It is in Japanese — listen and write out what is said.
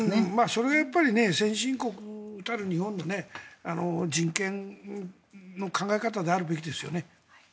それがやはり先進国たる日本の人権の考え方であるべきですよね。